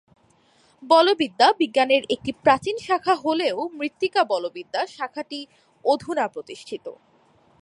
বলবিদ্যা বিজ্ঞানের একটি প্রাচীন শাখা হলেও মৃত্তিকা বলবিদ্যা শাখাটি অধুনা প্রতিষ্ঠিত।